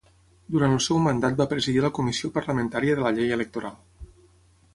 Durant el seu mandat va presidir la comissió parlamentària de la llei electoral.